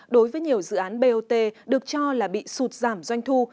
đối với nhiều dự án bot được cho là bị sụt giảm doanh thu